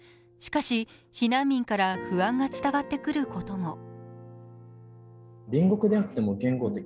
しかし、避難民から不安が伝わってくることも。